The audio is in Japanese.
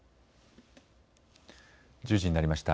１０時になりました。